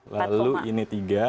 lalu ini tiga